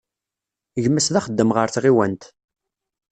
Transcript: Gma-s d axeddam ɣer tɣiwant.